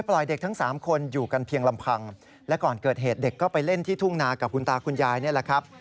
และก่อนเกิดเหตุเด็กก็ไปเล่นที่ทุ่งนากับคุณตาคุณยายนี่แหละครับ